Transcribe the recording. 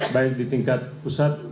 baik di tingkat pusat